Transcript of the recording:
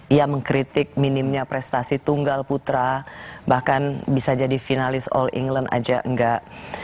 ia mengkritik minimnya prestasi tunggal putra bahkan bisa jadi finalis all england aja enggak